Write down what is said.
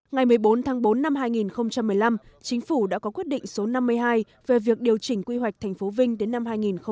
ngày một mươi bốn tháng bốn năm hai nghìn một mươi năm chính phủ đã có quyết định số năm mươi hai về việc điều chỉnh quy hoạch tp vinh đến năm hai nghìn hai mươi